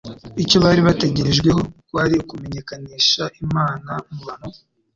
Icyo bari bategerejweho kwari ukumenyekanisha Imana mu bantu.